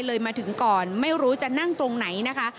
มาถึงก่อนไม่รู้จะนั่งตรงไหนนะคะ